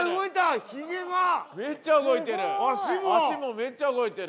めっちゃ動いてる！